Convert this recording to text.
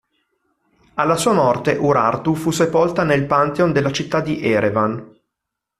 Alla sua morte, Urartu fu sepolta nel Pantheon della città di Erevan.